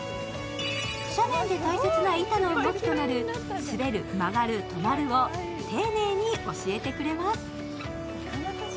斜面で大切な板の動きとなる滑る・曲がる・止まるを丁寧に教えてくれます。